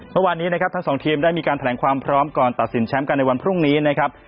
เมื่อวานนี้นะครับทั้งสองทีมได้มีการแถลงความพร้อมก่อนตัดสินแชมป์กันในวันพรุ่งนี้นะครับ